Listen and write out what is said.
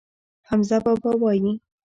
حمزه بابا وايي.